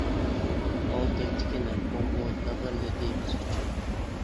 غالتەكتىكى لەڭپۇڭمۇ، لىغىرلىدى بىز ئۈچۈن.